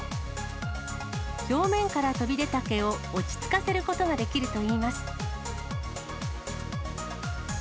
表面から飛び出た毛を、落ち着かせることができるといいます。